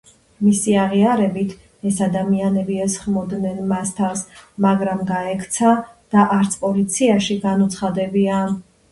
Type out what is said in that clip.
მისი აღიარებით, ეს ადამიანები ესხმოდნენ მას თავს, მაგრამ გაექცა და არც პოლიციაში განუცხადებია.